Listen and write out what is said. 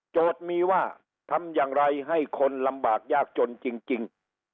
มีว่าทำอย่างไรให้คนลำบากยากจนจริง